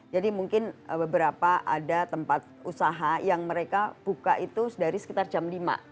jadi mungkin beberapa ada tempat usaha yang mereka buka itu dari sekitar jam lima